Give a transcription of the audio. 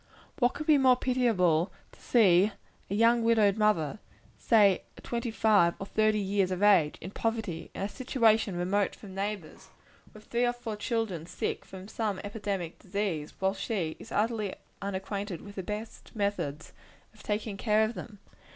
What can be more pitiable, than to see a young widowed mother say at twenty five or thirty years of age in poverty, in a situation remote from neighbors, with three or four children sick with some epidemic disease, while she is utterly unacquainted with the best methods of taking care of them.